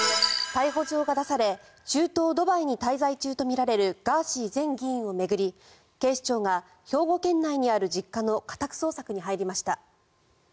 逮捕状が出され中東ドバイに滞在中とみられるガーシー前議員を巡り警視庁が兵庫県内にある実家の家宅捜索に入りました。